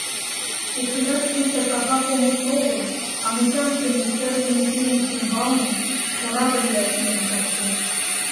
Кечыжат пуйто кава помышто огыл, а мучашдыме-сердыме теҥыз ӱмбалне корабльла ийын коштеш.